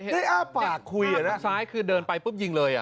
ได้อ้าปากคุยอะนั่นอ้าปากควันซ้ายคือเดินไปปุ๊บยิงเลยอะ